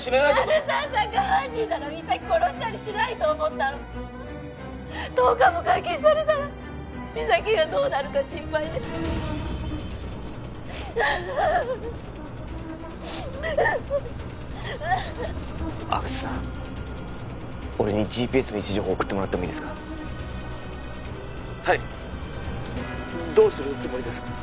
鳴沢さんが犯人なら実咲殺したりしないと思ったの☎１０日も監禁されたら実咲がどうなるか心配で阿久津さん俺にＧＰＳの位置情報送ってもらってもいいですか☎はいどうするつもりですか？